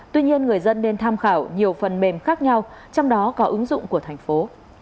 tuy nhiên người dân nên tham khảo nhiều phần mềm khác nhau trong đó có ứng dụng của thành phố